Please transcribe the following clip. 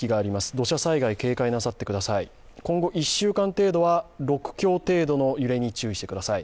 土砂災害、警戒なさってください、今後１週間程度は６強程度の揺れに注意してください